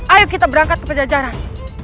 ayo kita berangkat ke pejajaran